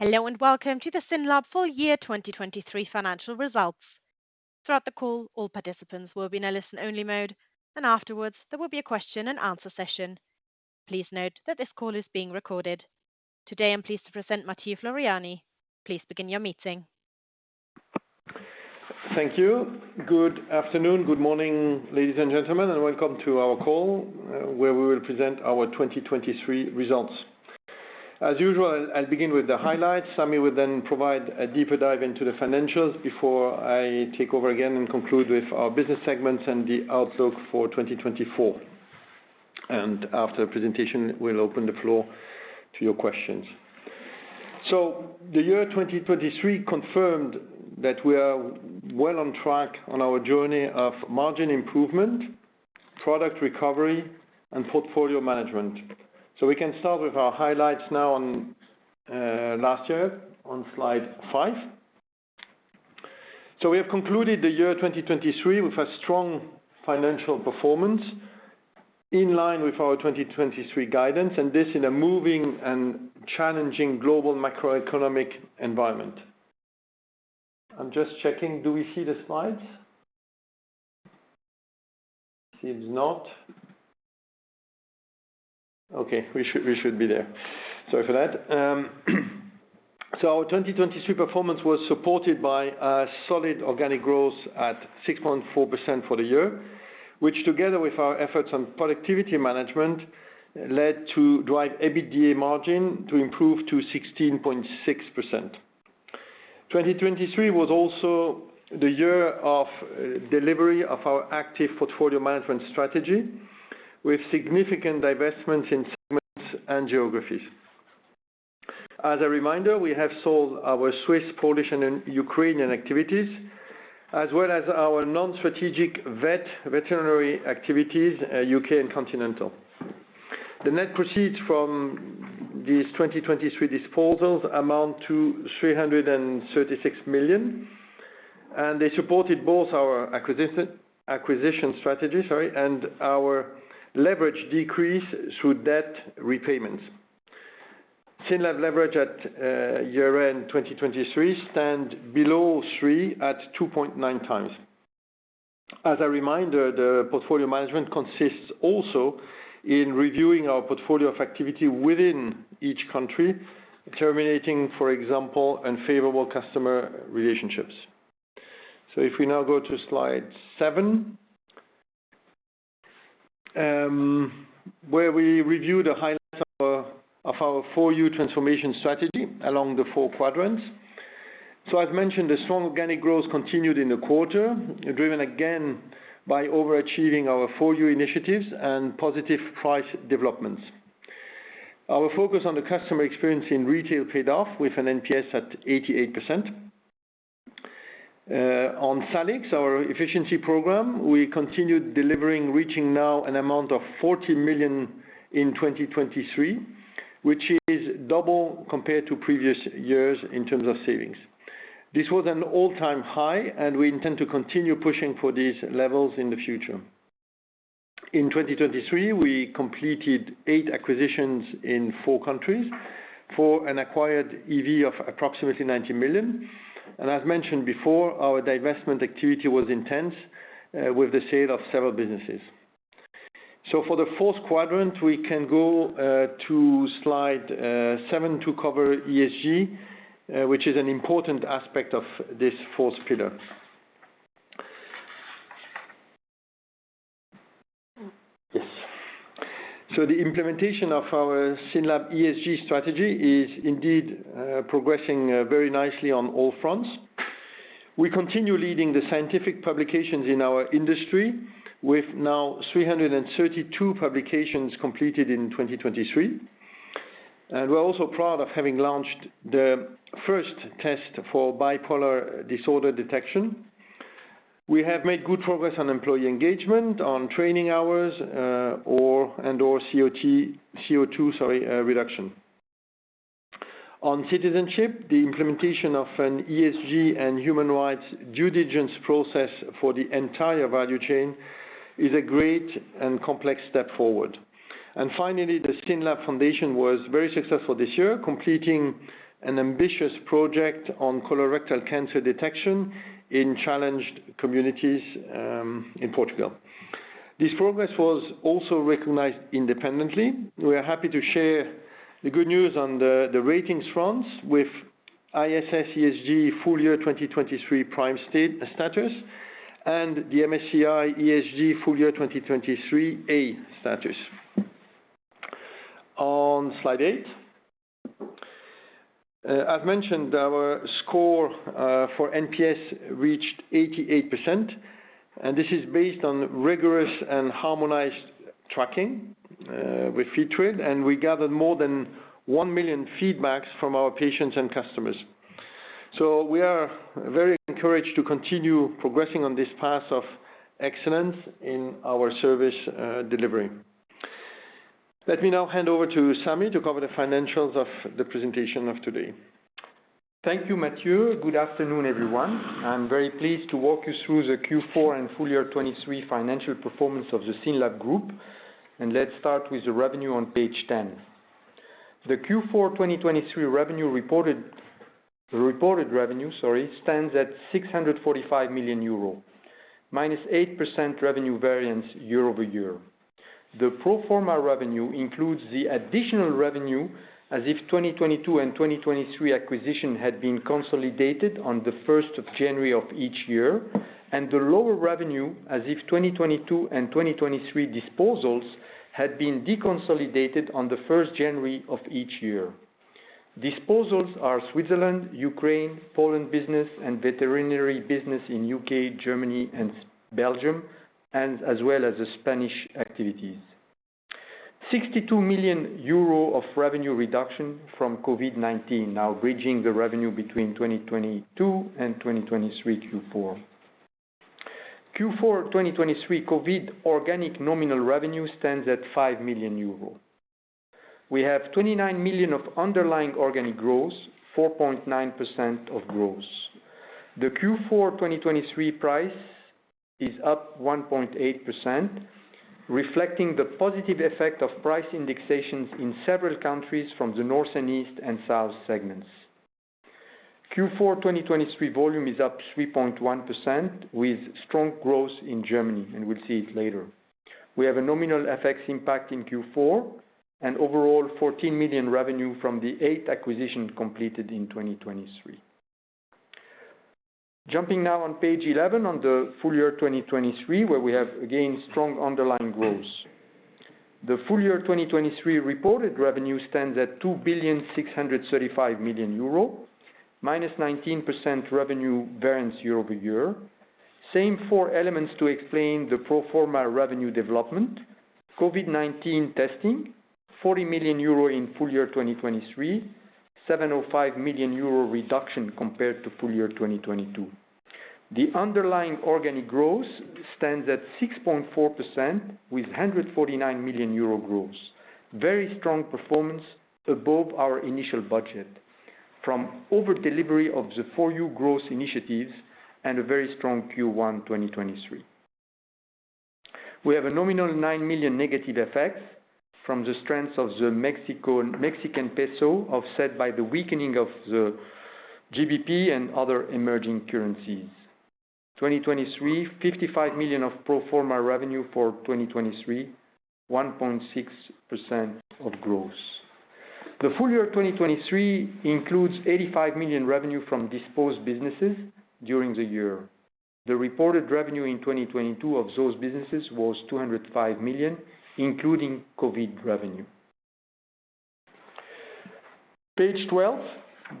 Hello, and welcome to the SYNLAB full year 2023 financial results. Throughout the call, all participants will be in a listen-only mode, and afterwards, there will be a question-and-answer session. Please note that this call is being recorded. Today, I'm pleased to present Mathieu Floreani. Please begin your meeting. Thank you. Good afternoon, good morning, ladies and gentlemen, and welcome to our call, where we will present our 2023 results. As usual, I'll begin with the highlights. Sami will then provide a deeper dive into the financials before I take over again and conclude with our business segments and the outlook for 2024. After the presentation, we'll open the floor to your questions. The year 2023 confirmed that we are well on track on our journey of margin improvement, product recovery, and portfolio management. We can start with our highlights now on last year on slide five. We have concluded the year 2023 with a strong financial performance, in line with our 2023 guidance, and this in a moving and challenging global macroeconomic environment. I'm just checking, do we see the slides? Seems not. Okay, we should, we should be there. Sorry for that. So our 2023 performance was supported by a solid organic growth at 6.4% for the year, which together with our efforts on productivity management, led to drive EBITDA margin to improve to 16.6%. 2023 was also the year of delivery of our active portfolio management strategy, with significant divestments in segments and geographies. As a reminder, we have sold our Swiss, Polish, and Ukrainian activities, as well as our non-strategic veterinary activities, U.K., and continental. The net proceeds from these 2023 disposals amount to 336 million, and they supported both our acquisition, acquisition strategy, sorry, and our leverage decrease through debt repayments. SYNLAB leverage at year-end 2023 stands below 3 at 2.9x. As a reminder, the portfolio management consists also in reviewing our portfolio of activity within each country, terminating, for example, unfavorable customer relationships. So if we now go to slide seven, where we review the highlights of our 4U transformation strategy along the four quadrants. So I've mentioned the strong organic growth continued in the quarter, driven again by overachieving our 4U initiatives and positive price developments. Our focus on the customer experience in retail paid off with an NPS at 88%. On SALIX, our efficiency program, we continued delivering, reaching now an amount of 40 million in 2023, which is double compared to previous years in terms of savings. This was an all-time high, and we intend to continue pushing for these levels in the future. In 2023, we completed eight acquisitions in four countries for an acquired EV of approximately 90 million. And as mentioned before, our divestment activity was intense with the sale of several businesses. So for the fourth quarter, we can go to slide seven to cover ESG, which is an important aspect of this fourth pillar. Yes. So the implementation of our SYNLAB ESG strategy is indeed progressing very nicely on all fronts. We continue leading the scientific publications in our industry, with now 332 publications completed in 2023. And we're also proud of having launched the first test for bipolar disorder detection. We have made good progress on employee engagement, on training hours or CO2 reduction. On citizenship, the implementation of an ESG and human rights due diligence process for the entire value chain is a great and complex step forward. And finally, the SYNLAB Foundation was very successful this year, completing an ambitious project on colorectal cancer detection in challenged communities, in Portugal. This progress was also recognized independently. We are happy to share the good news on the ratings fronts with ISS ESG full year 2023 prime status, and the MSCI ESG full year 2023 A status. On slide eight, I've mentioned our score for NPS reached 88%, and this is based on rigorous and harmonized tracking with Feedtrail, and we gathered more than 1 million feedbacks from our patients and customers. So we are very encouraged to continue progressing on this path of excellence in our service delivery. Let me now hand over to Sami to cover the financials of the presentation of today.... Thank you, Mathieu. Good afternoon, everyone. I'm very pleased to walk you through the Q4 and full year 2023 financial performance of the SYNLAB Group. And let's start with the revenue on page 10. The Q4 2023 revenue reported, the reported revenue, sorry, stands at 645 million euro, -8% revenue variance year-over-year. The pro forma revenue includes the additional revenue as if 2022 and 2023 acquisition had been consolidated on the first of January of each year, and the lower revenue as if 2022 and 2023 disposals had been deconsolidated on the first of January of each year. Disposals are Switzerland, Ukraine, Poland business, and veterinary business in U.K., Germany, and Belgium, and as well as the Spanish activities. 62 million euro of revenue reduction from COVID-19, now bridging the revenue between 2022 and 2023 Q4. Q4 2023 COVID organic nominal revenue stands at 5 million euro. We have 29 million of underlying organic growth, 4.9% of growth. The Q4 2023 price is up 1.8%, reflecting the positive effect of price indexations in several countries from the North and East and South segments. Q4 2023 volume is up 3.1%, with strong growth in Germany, and we'll see it later. We have a nominal FX impact in Q4 and overall 14 million revenue from the eight acquisitions completed in 2023. Jumping now on page 11 on the full year 2023, where we have, again, strong underlying growth. The full year 2023 reported revenue stands at 2,635 million euro, -19% revenue variance year-over-year. Same four elements to explain the pro forma revenue development. COVID-19 testing, 40 million euro in full year 2023, 75 million euro reduction compared to full year 2022. The underlying organic growth stands at 6.4%, with 149 million euro growth. Very strong performance above our initial budget from over delivery of the 4U growth initiatives and a very strong Q1 2023. We have a nominal 9 million negative effects from the strength of the Mexican peso, offset by the weakening of the GBP and other emerging currencies. 2023, 55 million of pro forma revenue for 2023, 1.6% of growth. The full year 2023 includes 85 million revenue from disposed businesses during the year. The reported revenue in 2022 of those businesses was 205 million, including COVID revenue. Page 12,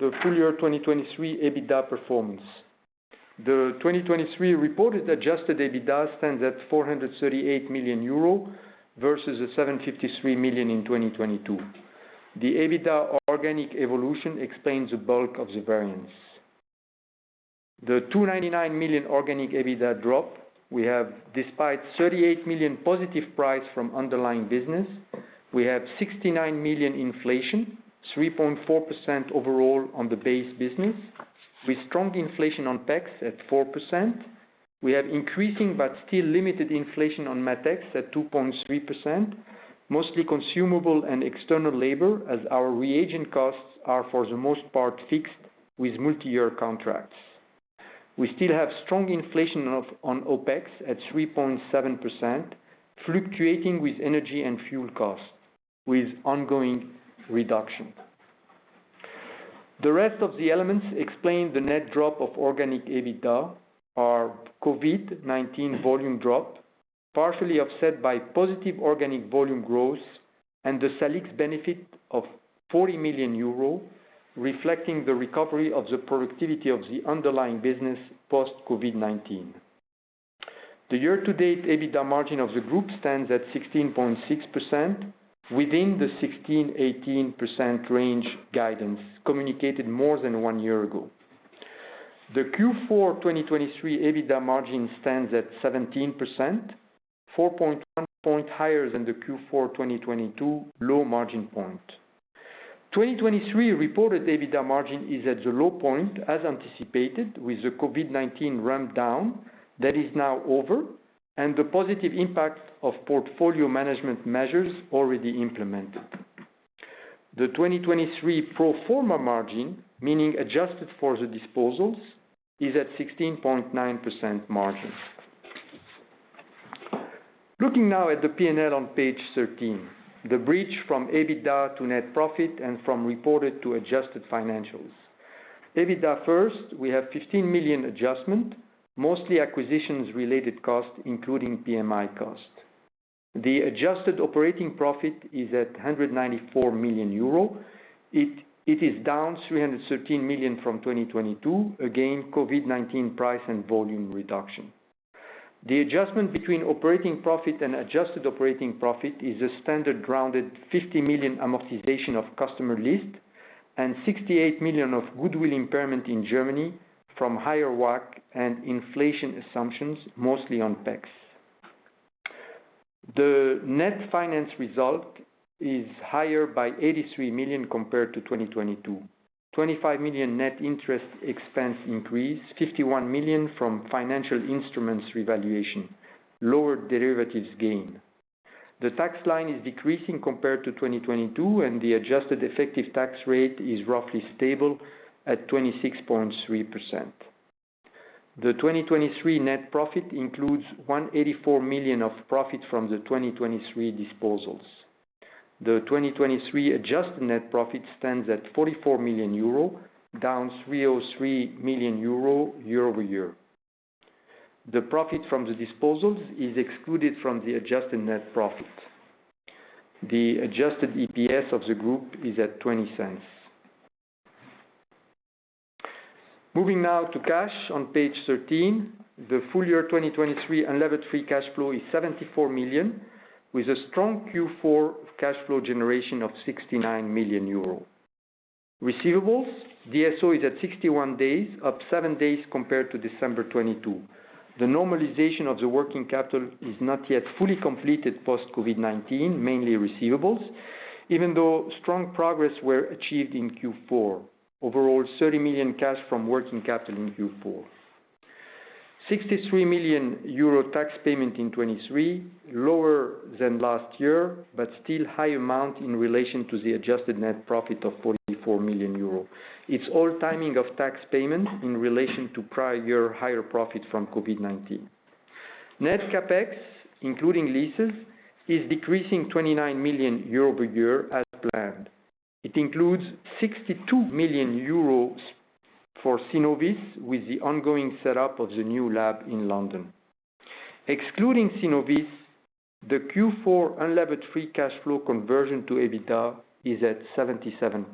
the full year 2023, EBITDA performance. The 2023 reported adjusted EBITDA stands at 438 million euro, versus the 753 million in 2022. The EBITDA organic evolution explains the bulk of the variance. The 299 million organic EBITDA drop we have, despite 38 million positive price from underlying business, we have 69 million inflation, 3.4% overall on the base business, with strong inflation on PEX at 4%. We have increasing, but still limited inflation on MatEx at 2.3%, mostly consumable and external labor, as our reagent costs are, for the most part, fixed with multi-year contracts. We still have strong inflation of, on OpEx at 3.7%, fluctuating with energy and fuel costs, with ongoing reduction. The rest of the elements explain the net drop of organic EBITDA, are COVID-19 volume drop, partially offset by positive organic volume growth and the SALIX benefit of 40 million euros, reflecting the recovery of the productivity of the underlying business post COVID-19. The year-to-date EBITDA margin of the group stands at 16.6%, within the 16%-18% range guidance communicated more than one year ago. The Q4 2023 EBITDA margin stands at 17%, 4.1 points higher than the Q4 2022 low margin point. 2023 reported EBITDA margin is at the low point, as anticipated, with the COVID-19 ramp down that is now over, and the positive impact of portfolio management measures already implemented. The 2023 pro forma margin, meaning adjusted for the disposals, is at 16.9% margin. Looking now at the P&L on page 13, the bridge from EBITDA to net profit and from reported to adjusted financials. EBITDA first, we have 15 million adjustment, mostly acquisitions related costs, including PMI costs. The adjusted operating profit is at 194 million euro. It, it is down 313 million from 2022. Again, COVID-19 price and volume reduction. The adjustment between operating profit and adjusted operating profit is a standard rounded 50 million amortization of customer list and 68 million of goodwill impairment in Germany from higher WACC and inflation assumptions, mostly on PEX. The net finance result is higher by 83 million compared to 2022. 25 million net interest expense increase, 51 million from financial instruments revaluation, lower derivatives gain. The tax line is decreasing compared to 2022, and the adjusted effective tax rate is roughly stable at 26.3%. The 2023 net profit includes 184 million of profit from the 2023 disposals. The 2023 adjusted net profit stands at 44 million euro, down 303 million euro year-over-year. The profit from the disposals is excluded from the adjusted net profit. The adjusted EPS of the group is at 0.20. Moving now to cash on page 13. The full year 2023 unlevered free cash flow is 74 million, with a strong Q4 cash flow generation of 69 million euros. Receivables, DSO is at 61 days, up seven days compared to December 2022. The normalization of the working capital is not yet fully completed post-COVID-19, mainly receivables, even though strong progress were achieved in Q4. Overall, 30 million cash from working capital in Q4. 63 million euro tax payment in 2023, lower than last year, but still high amount in relation to the adjusted net profit of 44 million euro. It's all timing of tax payment in relation to prior year higher profit from COVID-19. Net CapEx, including leases, is decreasing 29 million year-over-year as planned. It includes 62 million euros for Synnovis, with the ongoing setup of the new lab in London. Excluding Synnovis, the Q4 unlevered free cash flow conversion to EBITDA is at 77%.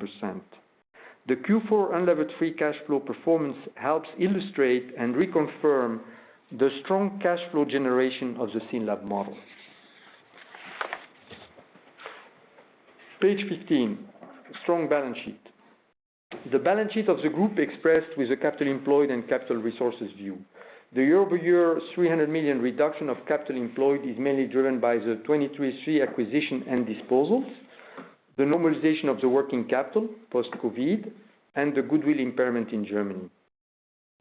The Q4 unlevered free cash flow performance helps illustrate and reconfirm the strong cash flow generation of the SYNLAB model. Page 15, strong balance sheet. The balance sheet of the group expressed with the capital employed and capital resources view. The year-over-year 300 million reduction of Capital Employed is mainly driven by the 2023 acquisitions and disposals, the normalization of the working capital, post-COVID, and the Goodwill Impairment in Germany.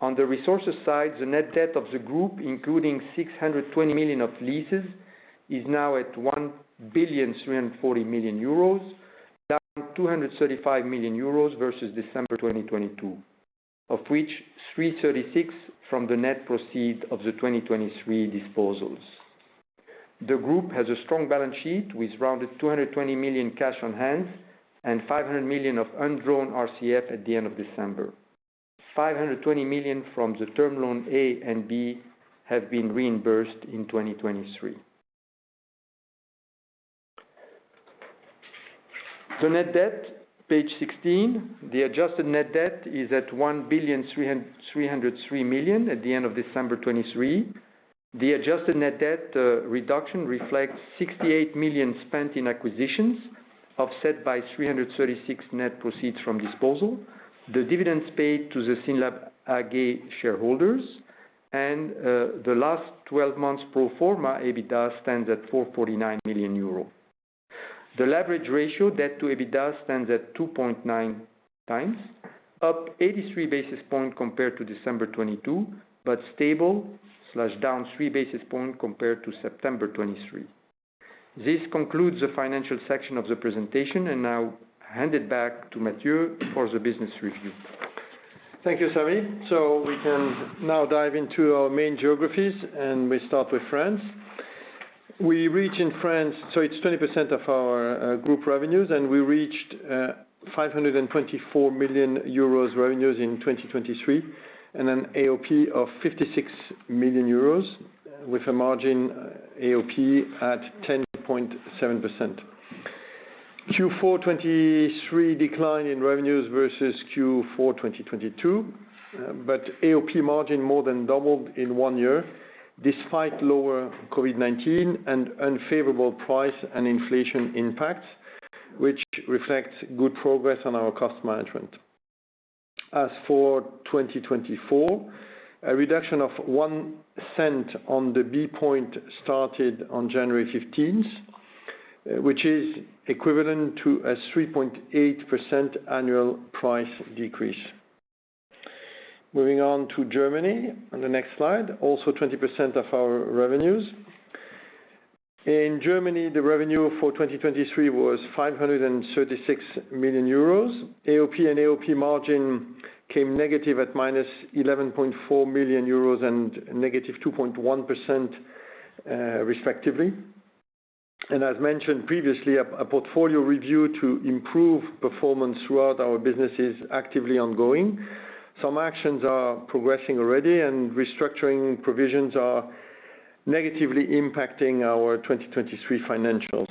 On the resources side, the net debt of the group, including 620 million of leases, is now at 1.34 billion, down 235 million euros versus December 2022, of which 336 million from the net proceeds of the 2023 disposals. The group has a strong balance sheet, with rounded 220 million cash on hand and 500 million of undrawn RCF at the end of December. 520 million from the Term Loan A and B have been reimbursed in 2023. The net debt, page 16. The adjusted net debt is at 1,303 million at the end of December 2023. The adjusted net debt reduction reflects 68 million spent in acquisitions, offset by 336 million net proceeds from disposal, the dividends paid to the SYNLAB AG shareholders, and the last twelve months pro forma EBITDA stands at 449 million euro. The leverage ratio, debt to EBITDA, stands at 2.9x, up 83 basis points compared to December 2022, but stable down 3 basis points compared to September 2023. This concludes the financial section of the presentation, and now hand it back to Mathieu for the business review. Thank you, Sami. So we can now dive into our main geographies, and we start with France. We reach in France, so it's 20% of our group revenues, and we reached 524 million euros revenues in 2023, and an AOP of 56 million euros, with a margin AOP at 10.7%. Q4 2023 decline in revenues versus Q4 2022, but AOP margin more than doubled in one year, despite lower COVID-19 and unfavorable price and inflation impacts, which reflects good progress on our cost management. As for 2024, a reduction of one cent on the B point started on January fifteenth, which is equivalent to a 3.8% annual price decrease. Moving on to Germany, on the next slide, also 20% of our revenues. In Germany, the revenue for 2023 was 536 million euros. AOP and AOP margin came negative at -11.4 million euros and -2.1%, respectively. As mentioned previously, a portfolio review to improve performance throughout our business is actively ongoing. Some actions are progressing already, and restructuring provisions are negatively impacting our 2023 financials.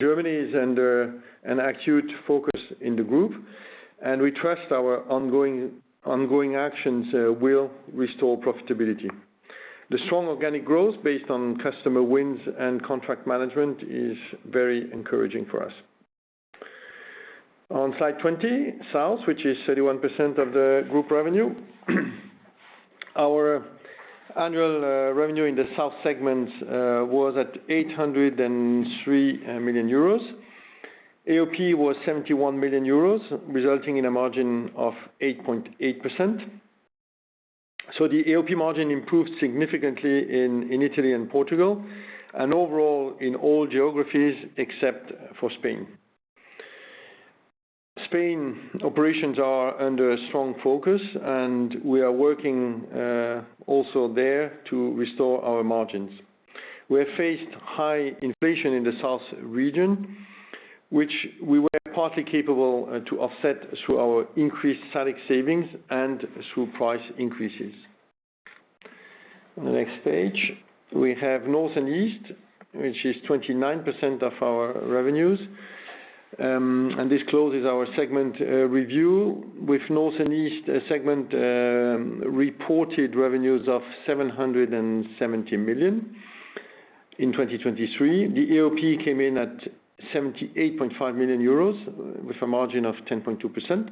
Germany is under an acute focus in the group, and we trust our ongoing actions will restore profitability. The strong organic growth based on customer wins and contract management is very encouraging for us... On slide 20, South, which is 31% of the group revenue. Our annual revenue in the South segment was at 803 million euros. AOP was 71 million euros, resulting in a margin of 8.8%. So the AOP margin improved significantly in Italy and Portugal, and overall in all geographies except for Spain. Spain operations are under strong focus, and we are working also there to restore our margins. We have faced high inflation in the South region, which we were partly capable to offset through our increased static savings and through price increases. On the next page, we have North and East, which is 29% of our revenues. This closes our segment review with North and East segment reported revenues of 770 million in 2023. The AOP came in at 78.5 million euros, with a margin of 10.2%.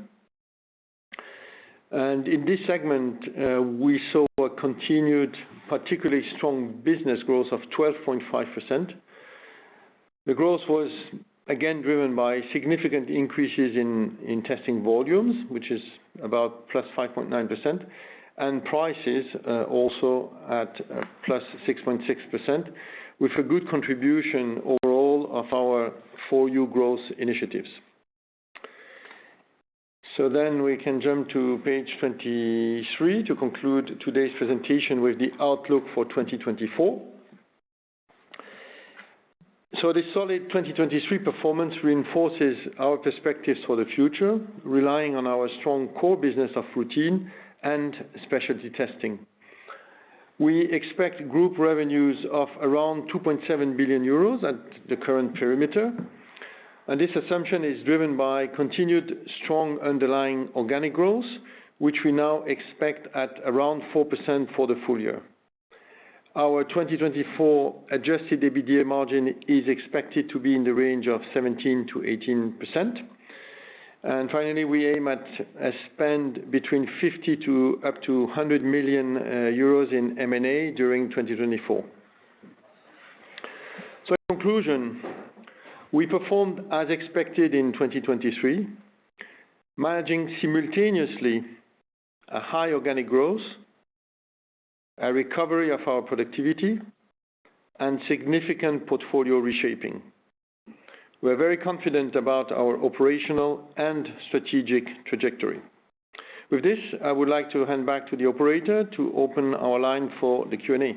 In this segment, we saw a continued, particularly strong business growth of 12.5%. The growth was again driven by significant increases in testing volumes, which is about +5.9%, and prices also at +6.6%, with a good contribution overall of our four new growth initiatives. So then we can jump to page 23 to conclude today's presentation with the outlook for 2024. So this solid 2023 performance reinforces our perspectives for the future, relying on our strong core business of routine and specialty testing. We expect group revenues of around 2.7 billion euros at the current perimeter, and this assumption is driven by continued strong underlying organic growth, which we now expect at around 4% for the full year. Our 2024 adjusted EBITDA margin is expected to be in the range of 17%-18%. Finally, we aim at a spend between 50 million to up to 100 million euros in M&A during 2024. In conclusion, we performed as expected in 2023, managing simultaneously a high organic growth, a recovery of our productivity, and significant portfolio reshaping. We're very confident about our operational and strategic trajectory. With this, I would like to hand back to the operator to open our line for the Q&A.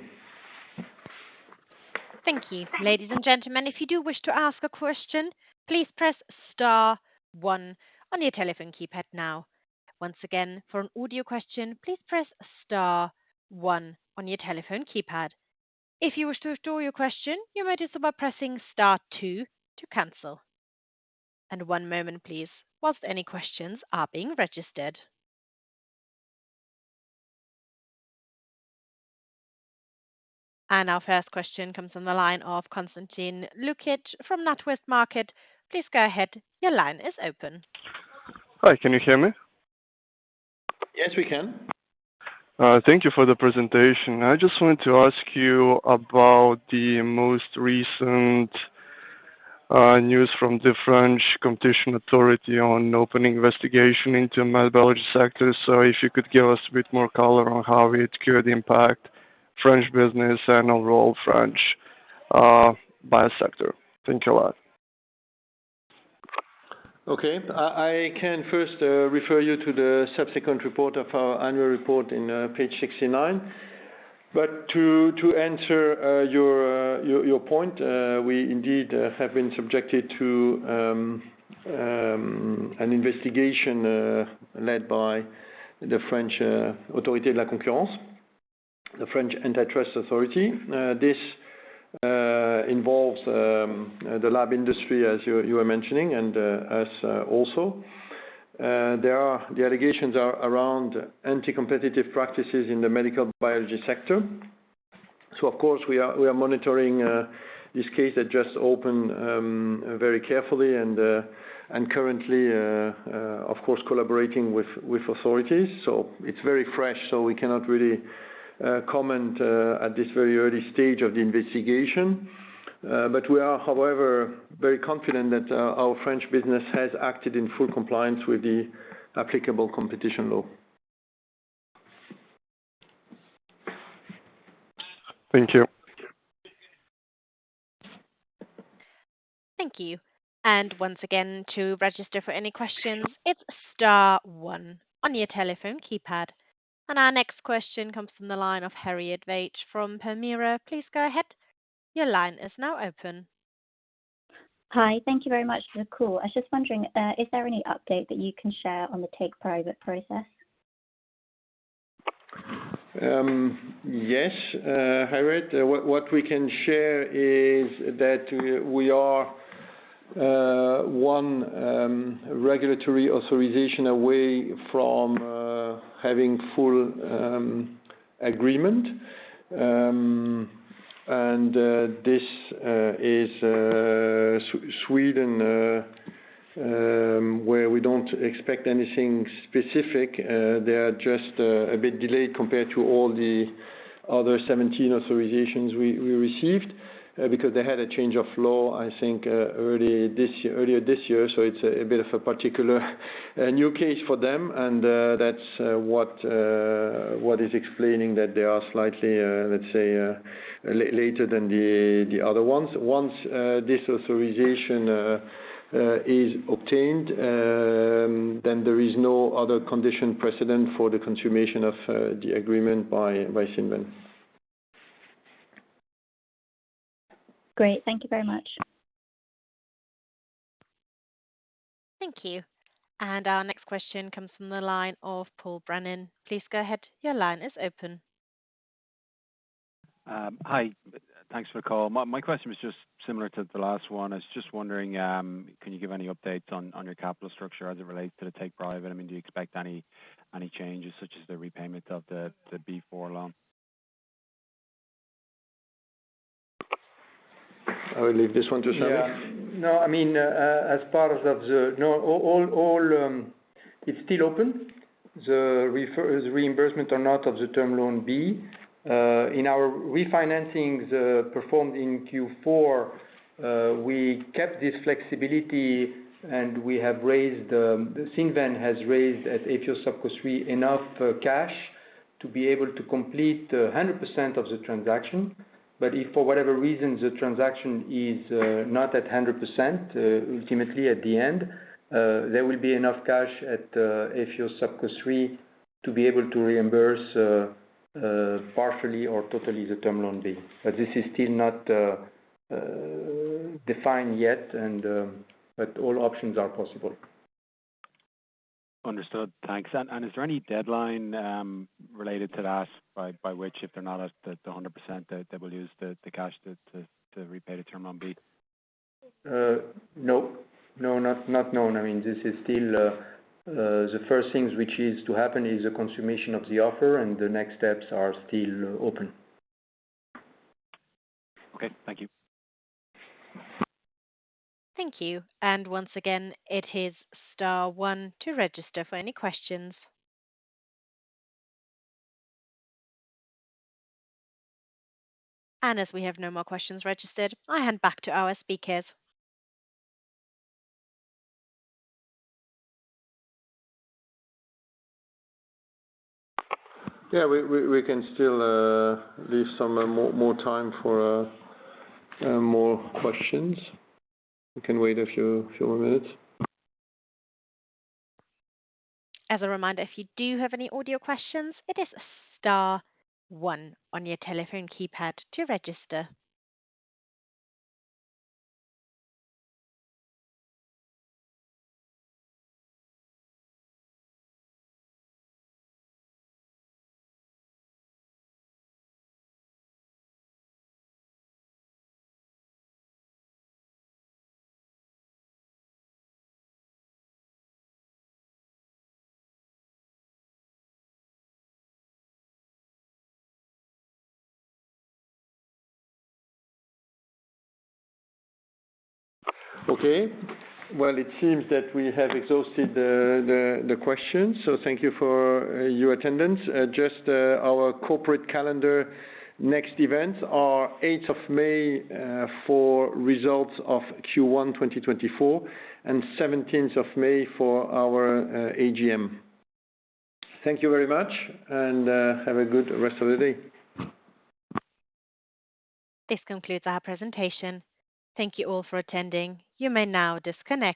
Thank you. Ladies and gentlemen, if you do wish to ask a question, please press star one on your telephone keypad now. Once again, for an audio question, please press star one on your telephone keypad. If you wish to withdraw your question, you may do so by pressing star two to cancel. One moment, please, whilst any questions are being registered. Our first question comes from the line of Konstantin Lukic from NatWest Markets. Please go ahead. Your line is open. Hi, can you hear me? Yes, we can. Thank you for the presentation. I just wanted to ask you about the most recent news from the French Competition Authority on opening investigation into med biology sector. So if you could give us a bit more color on how it could impact French business and overall French bio sector. Thank you a lot. Okay. I can first refer you to the subsequent report of our annual report on page 69. But to answer your point, we indeed have been subjected to an investigation led by the French Autorité de la Concurrence, the French Antitrust Authority. This involves the lab industry, as you were mentioning, and us also. There are. The allegations are around anti-competitive practices in the medical biology sector. So of course, we are monitoring this case that just opened very carefully and currently, of course, collaborating with authorities. So it's very fresh, so we cannot really comment at this very early stage of the investigation. But we are, however, very confident that our French business has acted in full compliance with the applicable competition law. Thank you. Thank you. Once again, to register for any questions, it's star one on your telephone keypad. Our next question comes from the line of Harriet Veitch from Permira. Please go ahead. Your line is now open. Hi. Thank you very much for the call. I was just wondering, is there any update that you can share on the take-private process? Yes, Harriet. What we can share is that we are one regulatory authorization away from having full agreement. And this is Sweden, where we don't expect anything specific. They are just a bit delayed compared to all the other 17 authorizations we received, because they had a change of law, I think, earlier this year. So it's a bit of a particular new case for them, and that's what is explaining that they are slightly, let's say, later than the other ones. Once this authorization is obtained, then there is no other condition precedent for the consummation of the agreement by Cinven. Great. Thank you very much. Thank you. And our next question comes from the line of Paul Brannan. Please go ahead. Your line is open. Hi. Thanks for the call. My question was just similar to the last one. I was just wondering, can you give any updates on your capital structure as it relates to the take-private? I mean, do you expect any changes, such as the repayment of the Term Loan B? I will leave this one to Sami. Yeah. No, I mean, as part of the... No, all, all, it's still open, the reimbursement or not of the term loan B. In our refinancing, the performed in Q4, we kept this flexibility, and we have raised, Cinven has raised at Ephios Subco 3, enough cash to be able to complete 100% of the transaction. But if for whatever reason, the transaction is not at 100%, ultimately at the end, there will be enough cash at Ephios Subco 3 to be able to reimburse partially or totally the term loan B. But this is still not defined yet, and but all options are possible. Understood. Thanks. And is there any deadline related to that, by which if they're not at the 100%, that they will use the cash to repay the Term Loan B? Nope. No, not, not known. I mean, this is still the first things which is to happen is the consummation of the offer, and the next steps are still open. Okay. Thank you. Thank you. Once again, it's star one to register for any questions. As we have no more questions registered, I hand back to our speakers. Yeah, we can still leave some more time for more questions. We can wait a few more minutes. As a reminder, if you do have any audio questions, it is star one on your telephone keypad to register. Okay, well, it seems that we have exhausted the questions, so thank you for your attendance. Just, our corporate calendar next events are 8th of May for results of Q1 2024, and 17th of May for our AGM. Thank you very much, and have a good rest of the day. This concludes our presentation. Thank you all for attending. You may now disconnect.